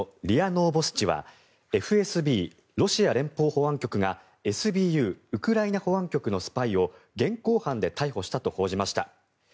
ノーボスチはＦＳＢ・ロシア連邦保安局がＳＢＵ・ウクライナ保安局のスパイを現行犯で逮捕したと報じました。